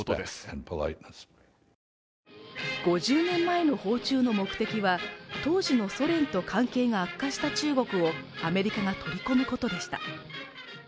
５０年前の訪中の目的は、当時のソ連と関係が悪化した中国をアメリカが取り込むことでした。